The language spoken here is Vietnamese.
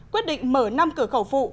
quyết định mở năm cửa khẩu phụ